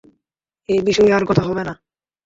এই বিষয়ে আর কথা হবে না।